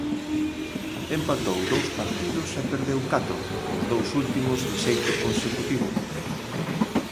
Empatou dous partidos e perdeu catro, os dous últimos de xeito consecutivo.